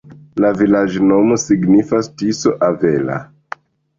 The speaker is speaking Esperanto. La vilaĝnomo signifas: Tiso-avela.